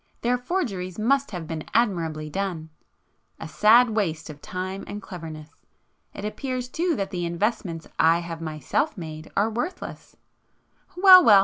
Their forgeries must have been admirably done!—a sad waste of time and cleverness. It appears too that the investments I have myself made are worthless;—well, well!